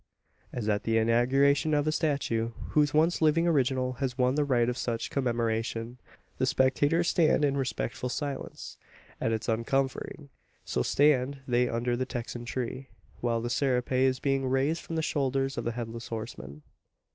As at the inauguration of a statue whose once living original has won the right of such commemoration the spectators stand in respectful silence at its uncovering, so stand they under the Texan tree, while the serape is being raised from the shoulders of the Headless Horseman.